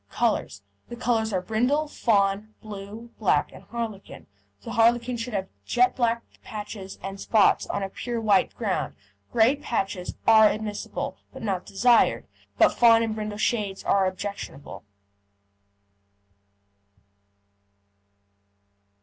COLOUR The colours are brindle, fawn, blue, black, and harlequin. The harlequin should have jet black patches and spots on a pure white ground; grey patches are admissible but not desired; but fawn or brindle shades are objectionable.